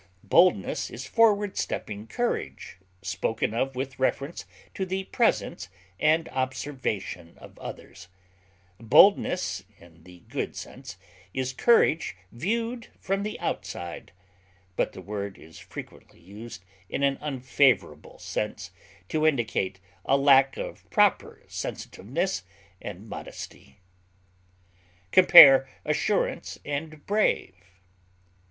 Boldness is forward stepping courage, spoken of with reference to the presence and observation of others; boldness, in the good sense, is courage viewed from the outside; but the word is frequently used in an unfavorable sense to indicate a lack of proper sensitiveness and modesty. Compare ASSURANCE; BRAVE.